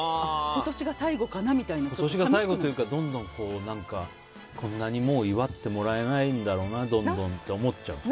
今年が最後かなというかこんなに祝ってもらえないんだろうなどんどんって思っちゃうんです。